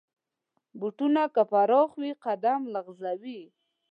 بوټونه که پراخ وي، قدم لغزوي.